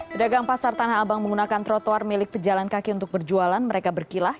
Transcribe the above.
pedagang pasar tanah abang menggunakan trotoar milik pejalan kaki untuk berjualan mereka berkilah